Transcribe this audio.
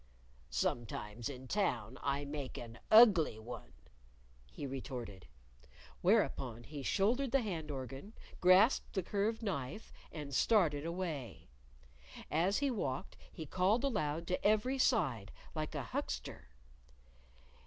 "Sometimes in town I make an ugly one," he retorted. Whereupon he shouldered the hand organ, grasped the curved knife, and started away. As he walked, he called aloud to every side, like a huckster.